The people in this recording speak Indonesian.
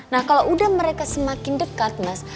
nah kalau udah mereka semakin dekat mas